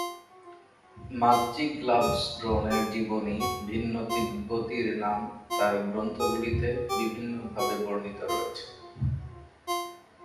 মা-গ্চিগ-লাব-স্গ্রোনের জীবনী ভিন্ন তিব্বতী র্নাম-থার গ্রন্থগুলিতে বিভিন্ন ভাবে বর্ণিত রয়েছে।